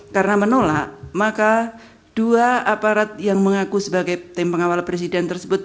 karena menolak maka dua aparat yang mengaku sebagai tim pengawal presiden tersebut